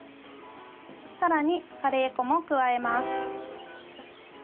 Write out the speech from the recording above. さらに、カレー粉も加えます。